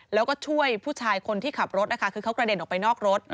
แล้วก็ช่วยผู้ชายคนที่ขับรถนะคะคือเขากระเด็นออกไปนอกรถ